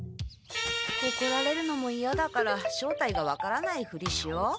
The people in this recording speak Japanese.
おこられるのもいやだから正体が分からないふりしよう。